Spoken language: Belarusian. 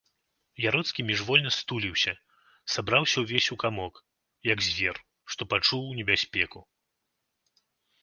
Яроцкі міжвольна стуліўся, сабраўся ўвесь у камок, як звер, што пачуў небяспеку.